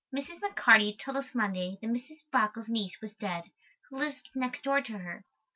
Mrs. McCarty told us Monday that Mrs. Brockle's niece was dead, who lives next door to her.